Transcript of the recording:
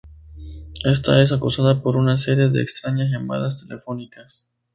Esta es acosada por una serie de extrañas llamadas telefónicas.